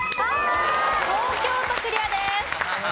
東京都クリアです。